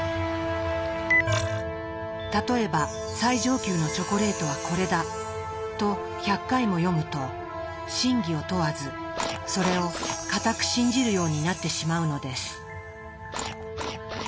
例えば「最上級のチョコレートはこれだ！」と１００回も読むと真偽を問わずそれを固く信じるようになってしまうのです。